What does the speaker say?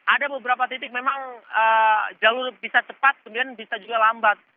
ada beberapa titik memang jalur bisa cepat kemudian bisa juga lambat